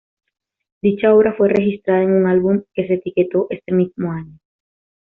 Dicha obra fue registrada en un álbum que se editó ese mismo año.